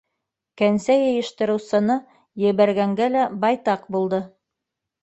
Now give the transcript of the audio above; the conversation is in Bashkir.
Кәнсә йыйыштырыусыны ебәргәненә лә байтаҡ булды.